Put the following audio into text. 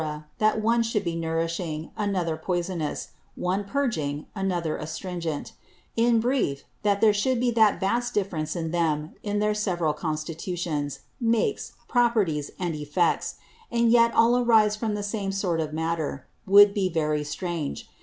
that one should be nourishing, another poisonous, one purging, another astringent: In brief, that there should be that vast difference in them, in their several Constitutions, Makes, Properties, and Effects, and yet all arise from the very same sort of Matter, would be very strange.